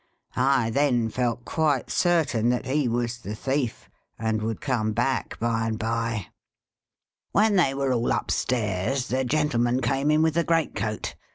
I then felt quite certain that he was the thief, and would come back by and bye. " When they were all upstairs, the gentle man came in with the great coat.